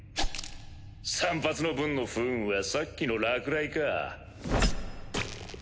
散髪の分の不運はさっきの落雷か。